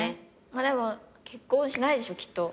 でも結婚しないでしょきっと。